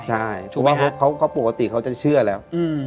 ใช่เพราะว่าปกติเขาจะเชื่อแล้ว